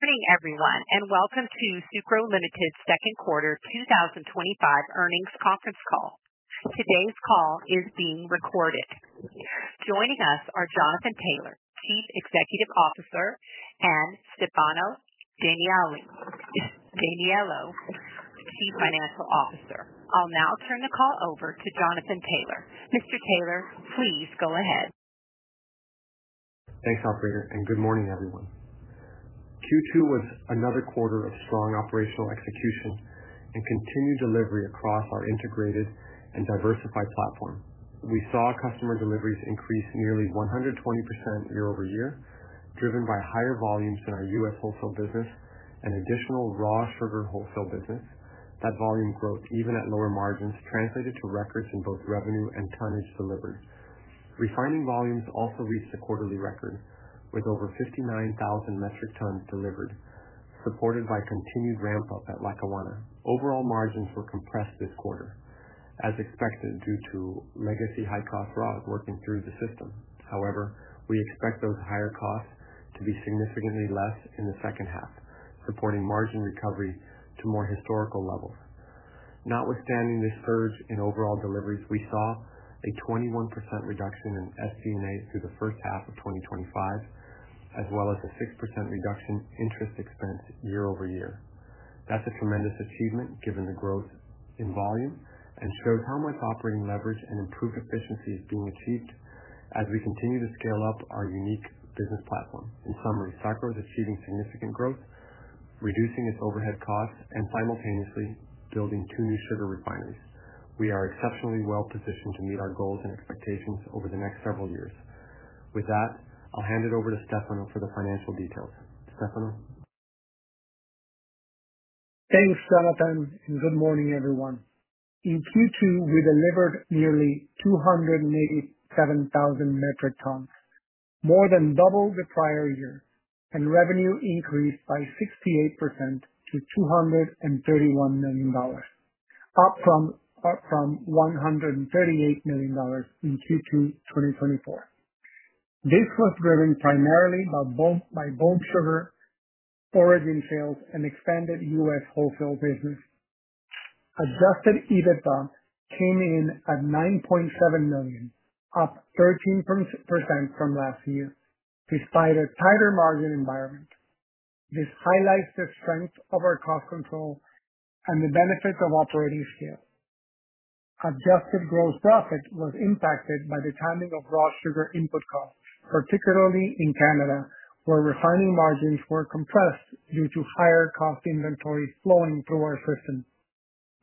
Good evening, everyone, and welcome to Sucro Limited's Second Quarter 2025 Earnings Conference Call. Today's call is being recorded. Joining us are Jonathan Taylor, Chief Executive Officer, and Stefano D'Aniello, Chief Financial Officer. I'll now turn the call over to Jonathan Taylor. Mr. Taylor, please go ahead. Thanks, operator, and good morning, everyone. Q2 was another quarter of strong operational execution and continued delivery across our integrated and diversified platform. We saw customer deliveries increase nearly 120% year-over-year, driven by higher volumes in our U.S. wholesale business and additional raw sugar wholesale business. That volume growth, even at lower margins, translated to records in both revenue and tonnage delivered. Refining volumes also reached a quarterly record, with over 59,000 metric tons delivered, supported by continued ramp-up at Lackawanna. Overall margins were compressed this quarter, as expected due to legacy high-cost raw sugar working through the system. However, we expect those higher costs to be significantly less in the second half, supporting margin recovery to more historical levels. Notwithstanding this surge in overall deliveries, we saw a 21% reduction in SG&A through the first half of 2025, as well as a 6% reduction in interest expense year-over-year. That's a tremendous achievement given the growth in volume and shows how much operating leverage and improved efficiency is being achieved as we continue to scale up our unique business platform. In summary, Sucro is achieving significant growth, reducing its overhead costs, and simultaneously building two new sugar refineries. We are exceptionally well positioned to meet our goals and expectations over the next several years. With that, I'll hand it over to Stefano for the financial details. Stefano. Thanks, Jonathan, and good morning, everyone. In Q2, we delivered nearly 287,000 metric tons, more than double the prior year, and revenue increased by 68% to $231 million, up from $138 million in Q2 2024. This was driven primarily by bulk sugar forwarding sales and expanded U.S. wholesale business. Adjusted EBITDA came in at $9.7 million, up 13% from last year, despite a tighter margin environment. This highlights the strength of our cost control and the benefits of operating scale. Adjusted gross profit was impacted by the timing of raw sugar input costs, particularly in Canada, where refining margins were compressed due to higher cost inventories flowing through our system.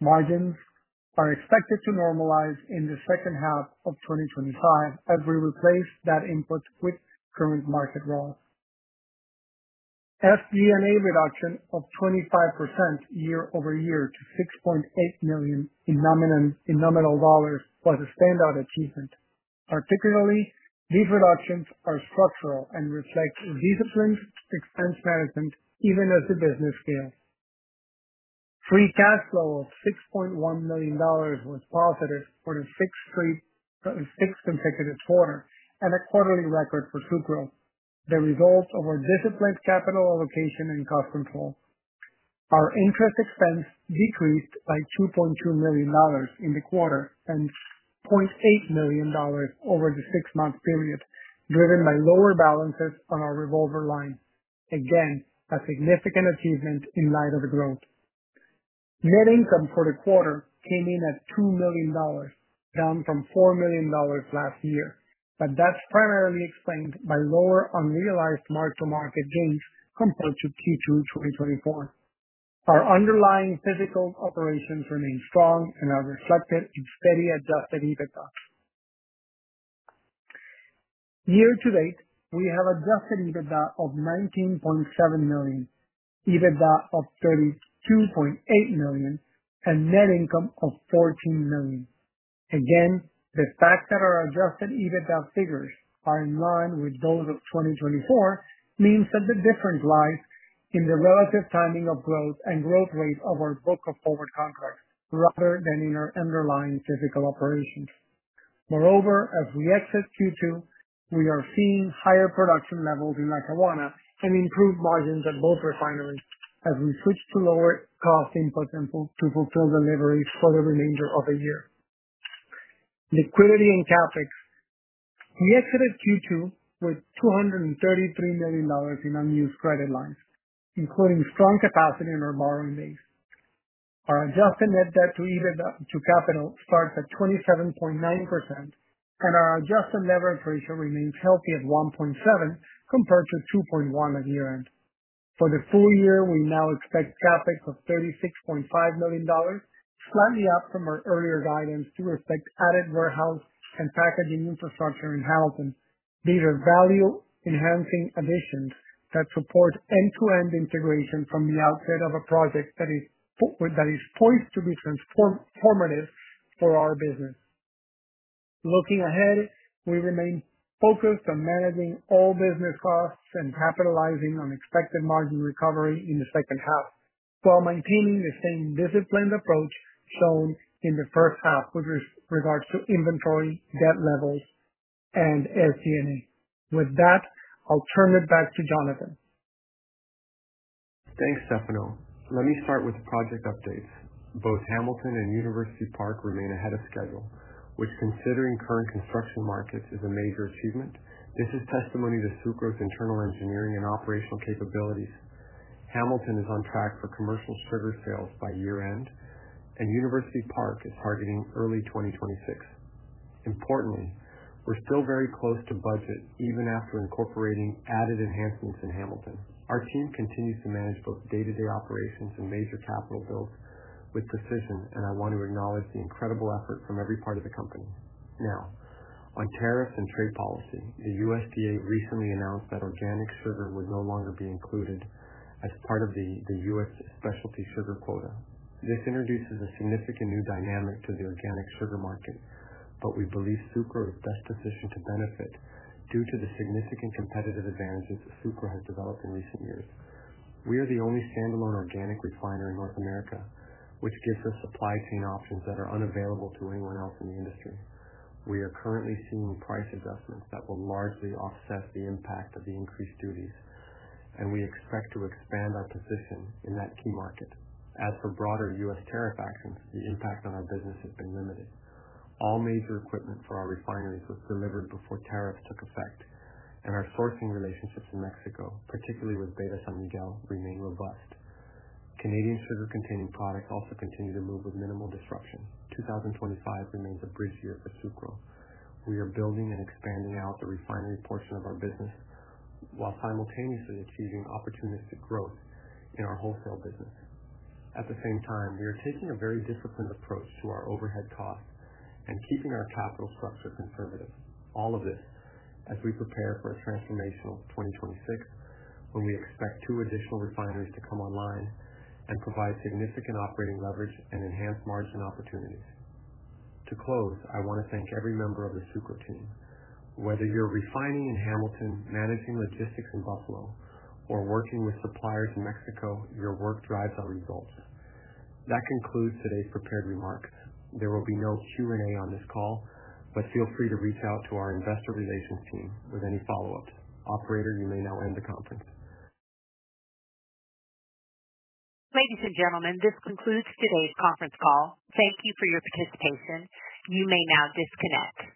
Margins are expected to normalize in the second half of 2025 as we replace that input with current market rolls. SG&A reduction of 25% year-over-year to $6.8 million in nominal dollars was a standout achievement. Particularly, these reductions are structural and reflect disciplined expense management, even as the business scales. Free cash flow of $6.1 million was positive for the sixth consecutive quarter and a quarterly record for true growth, the result of our disciplined capital allocation and cost control. Our interest expense decreased by $2.2 million in the quarter and $0.8 million over the six-month period, driven by lower balances on our revolver line. Again, a significant achievement in light of the growth. Net income for the quarter came in at $2 million, down from $4 million last year, but that's primarily explained by lower unrealized marginal market gains compared to Q2 2024. Our underlying physical operations remain strong and are reflected in steady adjusted EBITDA. Year to date, we have adjusted EBITDA of $19.7 million, EBITDA of $32.8 million, and net income of $14 million. Again, the fact that our adjusted EBITDA figures are in line with those of 2024 means that the difference lies in the relative timing of growth and growth rate of our bulk forward contracts, rather than in our underlying physical operations. Moreover, as we exit Q2, we are seeing higher production levels in Lackawanna and improved margins at both refineries as we switch to lower cost input to fulfill deliveries for the remainder of the year. Liquidity and CapEx. We exited Q2 with $233 million in unused credit lines, including strong capacity in our borrowing base. Our adjusted net debt to EBITDA to capital starts at 27.9%, and our adjusted leverage ratio remains healthy at 1.7x compared to 2.1x at year-end. For the full year, we now expect CapEx of $36.5 million, slightly up from our earlier guidance to respect added warehouse and packaging infrastructure in Hamilton. These are value-enhancing additions that support end-to-end integration from the outset of a project that is poised to be transformative for our business. Looking ahead, we remain focused on managing all business costs and capitalizing on expected margin recovery in the second half, while maintaining the same disciplined approach shown in the first half, with regards to inventory, debt levels, and SG&A. With that, I'll turn it back to Jonathan. Thanks, Stefano. Let me start with project updates. Both Hamilton and University Park remain ahead of schedule. Considering current construction markets as a major achievement, this is testimony to Sucro's internal engineering and operational capabilities. Hamilton is on track for commercial sugar sales by year-end, and University Park is targeting early 2026. Importantly, we're still very close to budgets, even after incorporating added enhancements in Hamilton. Our team continues to manage both day-to-day operations and major capital builds with precision, and I want to acknowledge the incredible effort from every part of the company. Now, on tariffs and trade policy, the USDA recently announced that organic sugar would no longer be included as part of the U.S. specialty sugar quota. This introduces a significant new dynamic to the organic sugar market, but we believe Sucro is best positioned to benefit due to the significant competitive advantages Sucro has developed in recent years. We are the only standalone organic refiner in North America, which gives us supply chain options that are unavailable to anyone else in the industry. We are currently seeing price adjustments that will largely offset the impact of the increased duties, and we expect to expand our position in that key market. As for broader U.S. tariff actions, the impact on our business has been limited. All major equipment for our refineries was delivered before tariffs took effect, and our sourcing relationships in Mexico, particularly with Beta San Miguel, remain robust. Canadian sugar-containing products also continue to move with minimal disruption. 2025 remains a bridge year for Sucro. We are building and expanding out the refinery portion of our business while simultaneously achieving opportunistic growth in our wholesale business. At the same time, we are taking a very disciplined approach to our overhead costs and keeping our capital flux conservative. All of this as we prepare for a transformational 2026 when we expect two additional refineries to come online and provide significant operating leverage and enhanced margin opportunities. To close, I want to thank every member of the Sucro team. Whether you're refining in Hamilton, managing logistics in Buffalo, or working with suppliers in Mexico, your work drives our results. That concludes today's prepared remarks. There will be no Q&A on this call, but feel free to reach out to our investor relations team with any follow-ups. Operator, you may now end the conference. Ladies and gentlemen, this concludes today's conference call. Thank you for your participation. You may now disconnect.